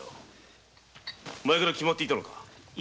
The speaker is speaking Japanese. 前から決まっていたのか？